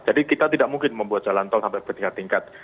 jadi kita tidak mungkin membuat jalan tol sampai bertingkat tingkat